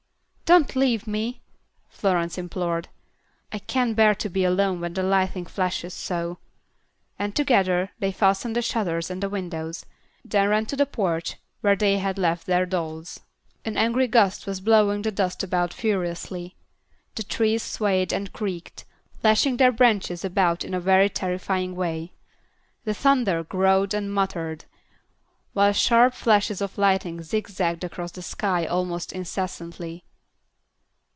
"Don't leave me," Florence implored. "I can't bear to be alone when the lightning flashes so." And together they fastened the shutters and the windows, then ran to the porch, where they had left their dolls. An angry gust was blowing the dust about furiously. The trees swayed and creaked, lashing their branches about in a very terrifying way. The thunder growled and muttered, while sharp flashes of lightning zigzagged across the sky almost incessantly.